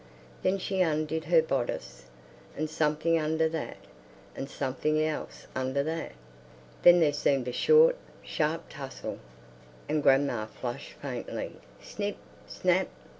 Then she undid her bodice, and something under that, and something else underneath that. Then there seemed a short, sharp tussle, and grandma flushed faintly. Snip! Snap!